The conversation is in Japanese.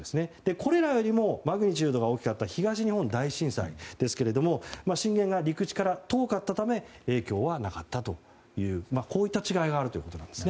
これらよりマグニチュードが大きかった東日本大震災ですが震源が陸地から遠かったため影響はなかったというこういった違いがあると。